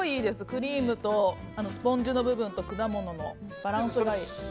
クリームとスポンジの部分と果物のバランスがいい。